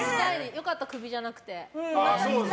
よかった、クビじゃなくて。